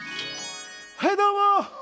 はい、どうも。